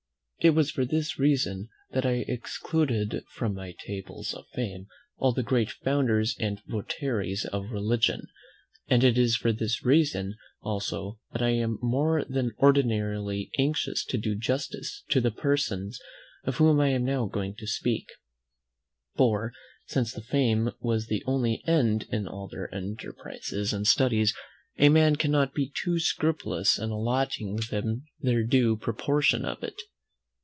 It was for this reason that I excluded from my Tables of Fame all the great founders and votaries of religion; and it is for this reason also that I am more than ordinarily anxious to do justice to the persons of whom I am now going to speak, for, since fame was the only end of all their enterprises and studies, a man cannot be too scrupulous in allotting them their due proportion of it.